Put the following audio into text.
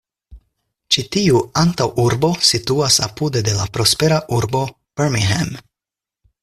Ĉi tiu antaŭurbo situas apude de la prospera urbo Birmingham.